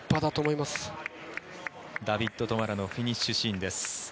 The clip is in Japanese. ダビッド・トマラのフィニッシュシーンです。